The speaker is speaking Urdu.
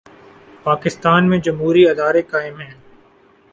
پاکستان میں جمہوری ادارے قائم ہیں۔